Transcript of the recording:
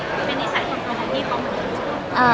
เป็นนิสัยสำคัญพอดีหรือเปล่า